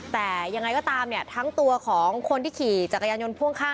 แต่ยังไงก็ตามเนี่ยทั้งตัวของคนที่ขี่จักรยานยนต์พ่วงข้าง